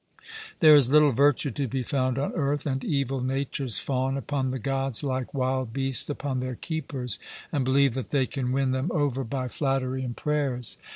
There is little virtue to be found on earth; and evil natures fawn upon the Gods, like wild beasts upon their keepers, and believe that they can win them over by flattery and prayers.